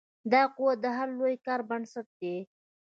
دا قوت د هر لوی کار بنسټ دی.